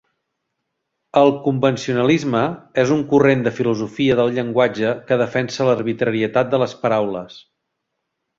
El convencionalisme és un corrent de filosofia del llenguatge que defensa l'arbitrarietat de les paraules.